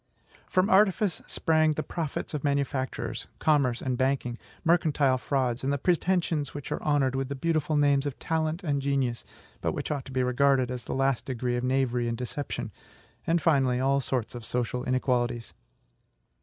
From artifice sprang the profits of manufactures, commerce, and banking, mercantile frauds, and pretensions which are honored with the beautiful names of TALENT and GENIUS, but which ought to be regarded as the last degree of knavery and deception; and, finally, all sorts of social inequalities.